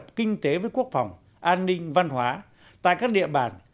hợp kinh tế với quốc phòng an ninh văn hóa tại các địa bàn